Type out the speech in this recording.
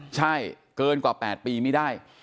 ใช่เกินกว่า๘ปีไม่ได้